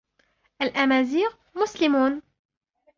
الأمازيغ مسلمون.